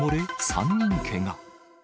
３人けが。